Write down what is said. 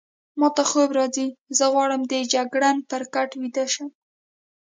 ما ته خوب راځي، زه غواړم د جګړن پر کټ ویده شم.